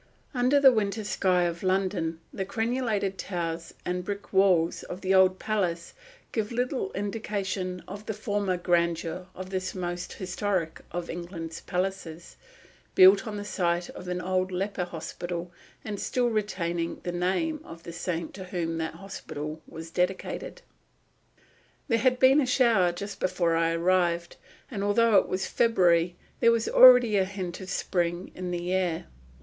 Under the winter sky of London the crenelated towers and brick walls of the old palace give little indication of the former grandeur of this most historic of England's palaces, built on the site of an old leper hospital and still retaining the name of the saint to whom that hospital was dedicated. There had been a shower just before I arrived; and, although it was February, there was already a hint of spring in the air.